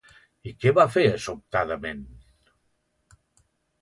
I què va fer, sobtadament?